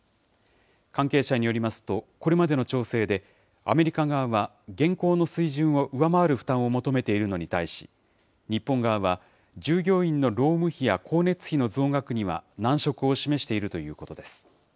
関係者によりますと、これまでの調整でアメリカ側は現行の水準を上回る負担を求めているのに対し、日本側は、従業員の労務費や光熱費の増額には難色を示しているということです。